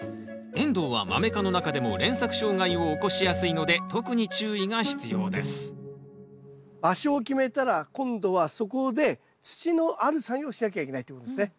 エンドウはマメ科の中でも連作障害を起こしやすいので特に注意が必要です場所を決めたら今度はそこで土のある作業をしなきゃいけないってことですね。